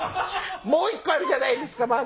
もう１個あるじゃないですか